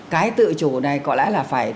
cái tự chủ này có lẽ là phải